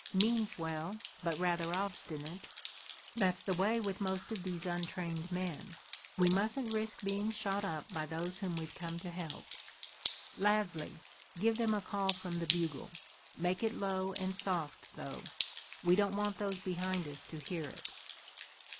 "Means well, but rather obstinate." "That's the way with most of these untrained men. We mustn't risk being shot up by those whom we've come to help. Lasley, give them a call from the bugle. Make it low and soft though. We don't want those behind us to hear it."